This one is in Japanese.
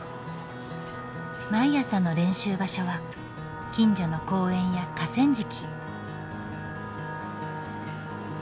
毎朝の練習場所は近所の公園や河川敷。